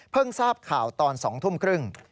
ทราบข่าวตอน๒ทุ่มครึ่ง